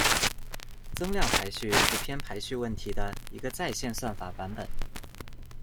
增量排序是偏排序问题的一个在线算法版本。